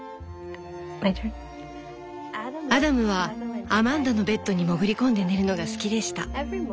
「アダムはアマンダのベッドにもぐり込んで寝るのが好きでした。